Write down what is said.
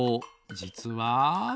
じつは。